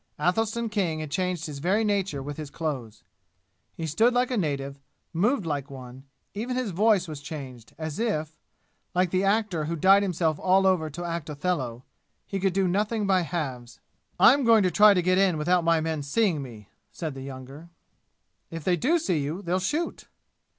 Athelstan King had changed his very nature with his clothes. He stood like a native moved like one; even his voice was changed, as if like the actor who dyed himself all over to act Othello he could do nothing by halves. "I'm going to try to get in without my men seeing me!" said the younger. "If they do see you, they'll shoot!"